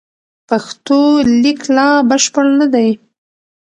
پښتو لیک لا بشپړ نه دی.